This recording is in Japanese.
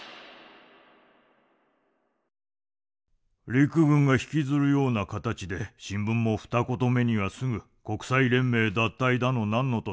陸軍が引きずるような形で新聞も二言目にはすぐ国際連盟脱退だの何のと騒ぎ立てる。